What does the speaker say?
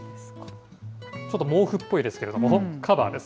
ちょっと毛布っぽいですけども、カバーです。